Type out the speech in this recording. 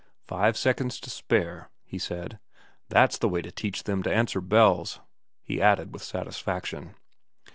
' Five seconds to spare,' he said. * That's the way to teach them to answer bells,' he added with satisfaction.